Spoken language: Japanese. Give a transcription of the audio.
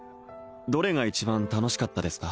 どれが一番楽しかったですか？